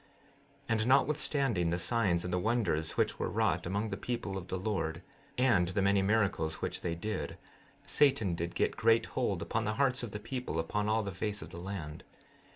16:23 And notwithstanding the signs and the wonders which were wrought among the people of the Lord, and the many miracles which they did, Satan did get great hold upon the hearts of the people upon all the face of the land.